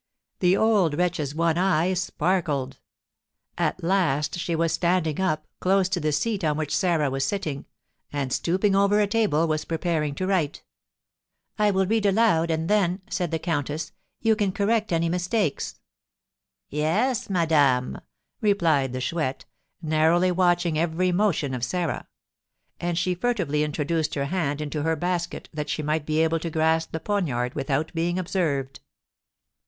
The old wretch's one eye sparkled. At last she was standing up, close to the seat on which Sarah was sitting, and, stooping over a table, was preparing to write. "I will read aloud, and then," said the countess, "you can correct any mistakes." "Yes, madame," replied the Chouette, narrowly watching every motion of Sarah; and she furtively introduced her hand into her basket, that she might be able to grasp the poniard without being observed.